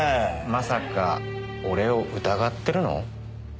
まさか俺を疑ってるの？